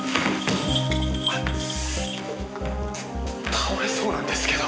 倒れそうなんですけど。